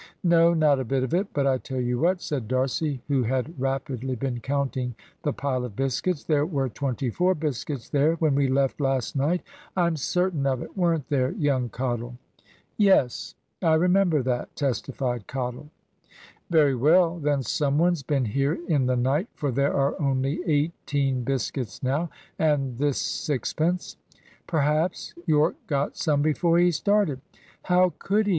"No not a bit of it. But I tell you what," said D'Arcy, who had rapidly been counting the pile of biscuits; "there were twenty four biscuits there when we left last night. I'm certain of it; weren't there, young Cottle?" "Yes. I remember that," testified Cottle. "Very well; then some one's been here in the night, for there are only eighteen biscuits now, and this sixpence." "Perhaps Yorke got some before he started?" "How could he?